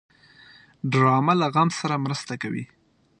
ډرامه له غم سره مرسته کوي